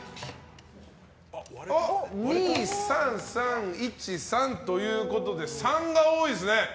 ２、３、３、１、３ということで３が多いですね。